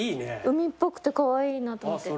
海っぽくてカワイイなと思って。